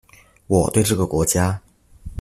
我對這個國家